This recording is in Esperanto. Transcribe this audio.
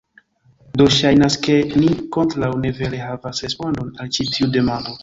Do ŝajnas ke ni ankoraŭ ne vere havas respondon al ĉi tiu demando